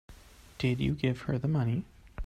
Did you give her the money?